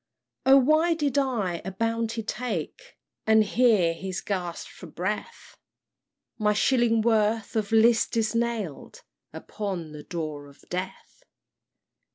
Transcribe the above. "O why did I the bounty take? (And here he gasp'd for breath) My shillingsworth of 'list is nail'd Upon the door of death!